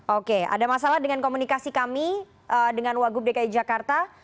oke ada masalah dengan komunikasi kami dengan wagub dki jakarta